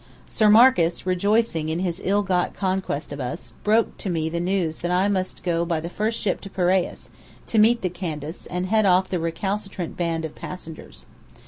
Sir Marcus, rejoicing in his ill got conquest of us, broke to me the news that I must go by the first ship to the Piraeus, to meet the Candace, and head off the recalcitrant band of passengers.